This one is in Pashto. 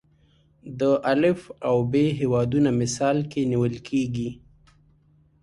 د الف او ب هیوادونه مثال کې نیول کېږي.